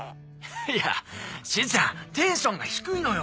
いやしずちゃんテンションが低いのよ。